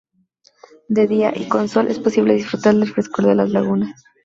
De día y con sol es posible disfrutar del frescor de las lagunas.